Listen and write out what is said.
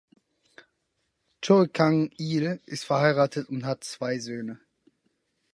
Choe Kang Il ist verheiratet und hat zwei Söhne.